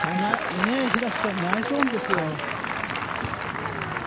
平瀬さん、ナイスオンですよ。